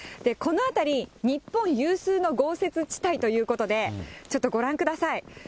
この辺り、日本有数の豪雪地帯ということで、ちょっとご覧ください。